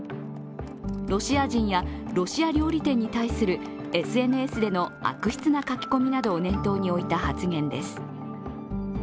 ロシア人やロシア料理店に対するＳＮＳでの悪質な書き込みなどを念頭に置いた発言です。